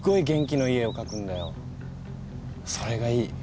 それがいい。